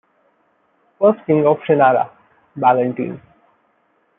"First King of Shannara" Ballantine.